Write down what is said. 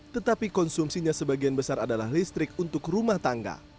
tetapi konsumsinya sebagian besar adalah listrik untuk rumah tangga